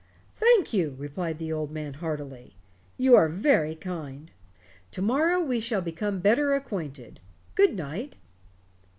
"Thank you," replied the old man heartily. "You are very kind. To morrow we shall become better acquainted. Good night."